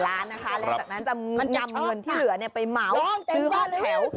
แล้วจากนั้นจะนำเงินที่เหลือไปเมาส์ซื้อห้องแถว